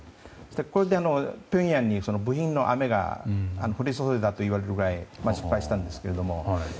これで、ピョンヤンに部品の雨が降り注いだといわれるくらい失敗したんですけども。